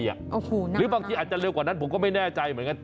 หรือบางทีอาจจะเร็วกว่านั้นผมก็ไม่แน่ใจเหมือนกัน